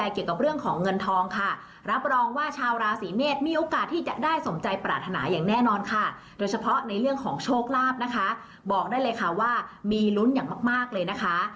มีรุ้นอย่างมากเลยนะคะ